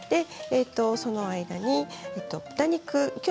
その間に豚肉です。